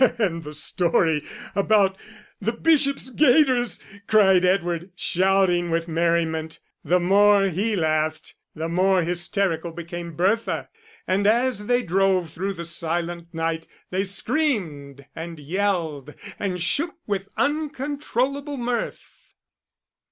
"And the story about the Bishop's gaiters!" cried Edward, shouting with merriment. The more he laughed, the more hysterical became Bertha; and as they drove through the silent night they screamed and yelled and shook with uncontrollable mirth.